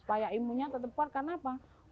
supaya ilmunya tetap kuat karena apa